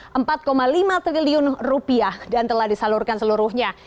rp empat lima triliun rupiah dan telah disalurkan seluruhnya